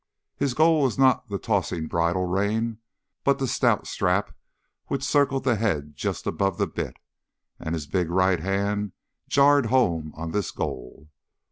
His goal was not the tossing bridle rein, but the stout strap which circled the head just above the bit, and his big right hand jarred home on this goal.